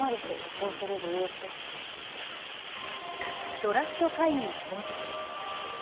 ドラフト会議当日。